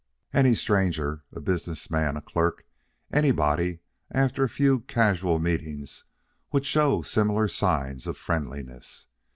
Any stranger, a business man, a clerk, anybody after a few casual meetings would show similar signs of friendliness.